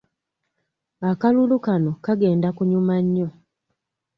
Akalulu kano kagenda kunyuma nnyo.